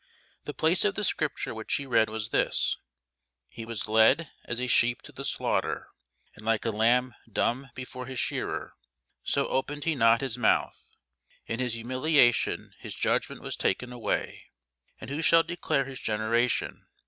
The place of the scripture which he read was this, He was led as a sheep to the slaughter; and like a lamb dumb before his shearer, so opened he not his mouth: in his humiliation his judgment was taken away: and who shall declare his generation?